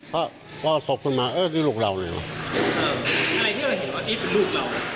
พอพอสกขึ้นมาเอ้ยนี่ลูกเรานี่หรอเอออะไรที่เราเห็นว่านี่เป็นลูกเรานี่